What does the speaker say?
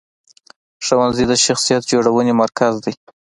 ښوونځی د شخصیت جوړونې مرکز دی.